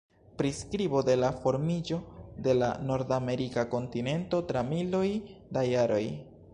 Priskribo de la formiĝo de la nordamerika kontinento tra miloj da jaroj.